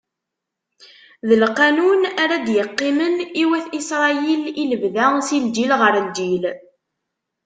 D lqanun ara d-iqqimen i wat Isṛayil, i lebda, si lǧil ɣer lǧil.